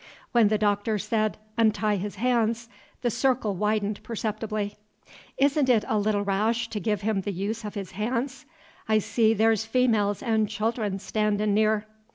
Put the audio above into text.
When the Doctor said, "Untie his hands," the circle widened perceptibly. "Isn't it a leetle rash to give him the use of his hands? I see there's females and children standin' near."